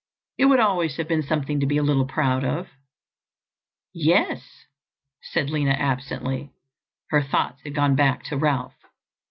It would always have been something to be a little proud of." "Yes," said Lina absently; her thoughts had gone back to Ralph.